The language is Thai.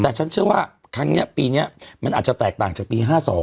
แต่ฉันเชื่อว่าครั้งนี้ปีนี้มันอาจจะแตกต่างจากปี๕๒